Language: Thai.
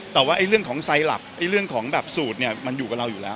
แต่ว่าเรื่องของไซลับเรื่องของแบบสูตรเนี่ยมันอยู่กับเราอยู่แล้ว